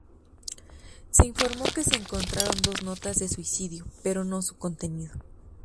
Se informó que se encontraron dos notas de suicidio, pero no su contenido.